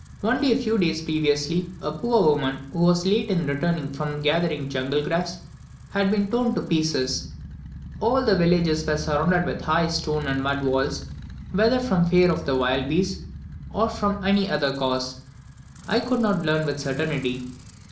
Only a few days previously, a poor woman who was late in returning from gathering jungle grass, had been torn to pieces. All the villages were surrounded with high stone and mud walls, whether from fear of the wild beasts, or from any other cause, I could not learn with certainty.